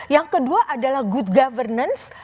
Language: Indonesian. yang kedua adalah good governance